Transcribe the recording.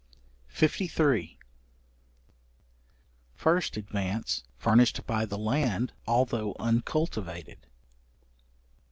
§53. First advance furnished by the land although uncultivated.